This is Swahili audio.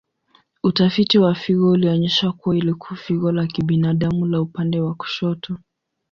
Utafiti wa figo ulionyesha kuwa ilikuwa figo la kibinadamu la upande wa kushoto.